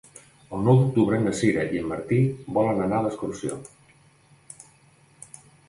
El nou d'octubre na Sira i en Martí volen anar d'excursió.